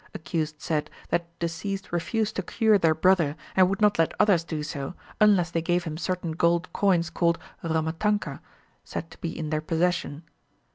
Accused said that deceased refused to cure their brother, and would not let others do so, unless they gave him certain gold coins called Rama Tanka, said to be in their possession.